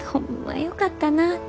よかったなぁて。